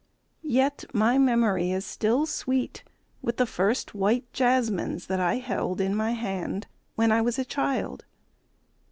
Yet my memory is still sweet with the first white jasmines that I held in my hand when I was a child.